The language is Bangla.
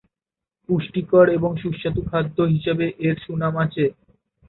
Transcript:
পুষ্টিকর এবং সুস্বাদু খাদ্য হিসেবে এর সুনাম আছে।